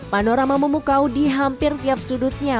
panorama memukau di hampir tiap sudutnya